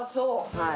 はい。